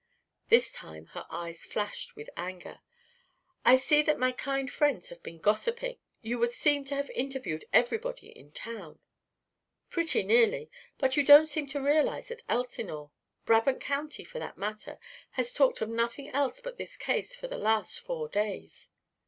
This time her eyes flashed with anger. "I see that my kind friends have been gossiping. You would seem to have interviewed everybody in town." "Pretty nearly. But you don't seem to realise that Elsinore Brabant County, for that matter has talked of nothing else but this case for the last four days."